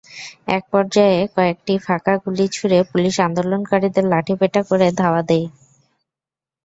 একপর্যায়ে কয়েকটি ফাঁকা গুলি ছুড়ে পুলিশ আন্দোলনকারীদের লাঠিপেটা করে ধাওয়া দেয়।